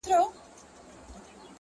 ستا د ښار د ښایستونو په رنګ ـ رنګ یم _